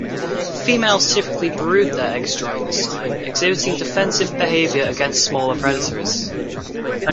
Females typically brood their eggs during this time, exhibiting defensive behavior against smaller predators.